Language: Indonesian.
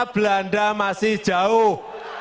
belanda masih jauh